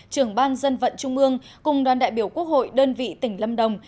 trưởng ban dân vận trung ương cùng đoàn đại biểu quốc hội đơn vị tỉnh lâm đồng